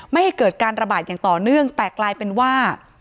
ไม่ให้เกิดการระบาดอย่างต่อเนื่องแต่กลายเป็นว่า